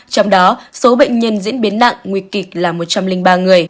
trong đó số bệnh nhân diễn biến nặng nguy kịch là một trăm linh ba người